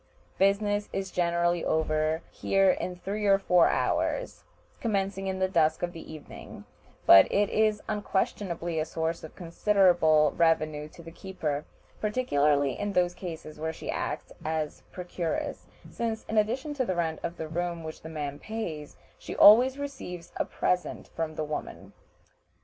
Business is generally over here in three or four hours, commencing in the dusk of the evening; but it is unquestionably a source of considerable revenue to the keeper, particularly in those cases where she acts as procuress, since, in addition to the rent of the room which the man pays, she always receives a present from the woman.